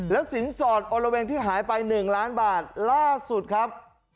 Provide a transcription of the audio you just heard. แล้วศีลศอดอ่อนระเวงที่หายไป๑ล้านบาทล่าสุดครับ